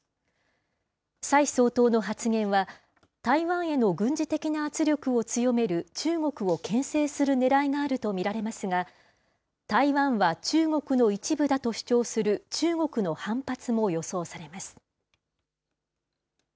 蔡総統の発言は、台湾への軍事的な圧力を強める中国をけん制するねらいがあると見られますが、台湾は中国の一部だと主張する中国の反発も予想されます。